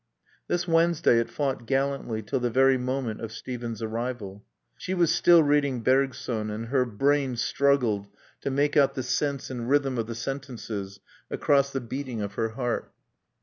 This Wednesday it fought gallantly till the very moment of Steven's arrival. She was still reading Bergson, and her brain struggled to make out the sense and rhythm of the sentences across the beating of her heart.